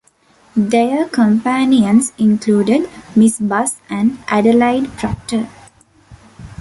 Their companions included Miss Buss and Adelaide Procter.